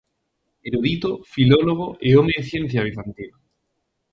Erudito, filólogo e home de ciencia bizantino.